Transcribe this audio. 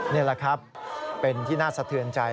นี่แหละครับเป็นที่น่าสะเทือนใจ